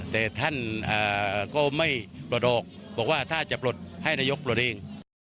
แต่ท่านก็ไม่ปลดออกบอกว่าถ้าจะปลดให้นายกปลดเอง